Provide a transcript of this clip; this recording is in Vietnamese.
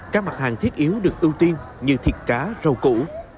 các mặt hàng thiết yếu được ưu tiên như thịt cá rau củ